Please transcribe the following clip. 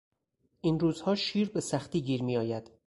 این روزها شیر به سختی گیر میآید.